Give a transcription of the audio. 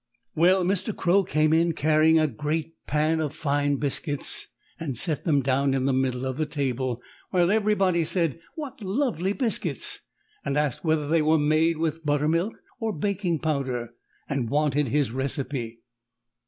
Well, Mr. Crow came in carrying a great pan of fine biscuits and set them down in the middle of the table, while everybody said, "What lovely biscuits!" and asked whether they were made with buttermilk or baking powder, and wanted his recipe.